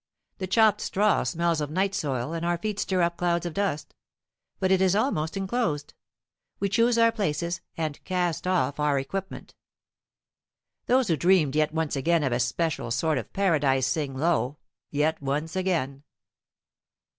The chopped straw smells of night soil, and our feet stir up clouds of dust. But it is almost enclosed. We choose our places and cast off our equipment. Those who dreamed yet once again of a special sort of Paradise sing low yet once again.